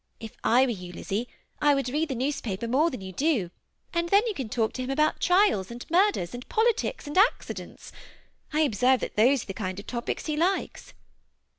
If I were you, Lizzy, I would read the newspaper more than you do; and then you can talk to him about trials, and murders, and politics, and accidents : I observe that those are the kind of topics he likes."